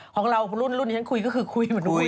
ของเรารุ่นนี้ฉันคุยก็คือคุยเหมือนครู